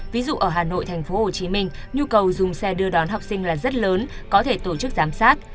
ví dụ ở hà nội tp hcm nhu cầu dùng xe đưa đón học sinh là rất lớn có thể tổ chức giám sát